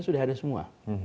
sudah ada semua